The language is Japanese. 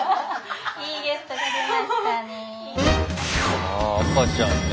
ああ赤ちゃんね。